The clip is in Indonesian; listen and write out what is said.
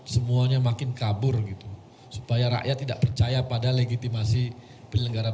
pemilu umum yang sudah dipercayai pasangan nomor urut satu